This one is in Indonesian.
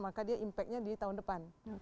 maka dia impactnya di tahun depan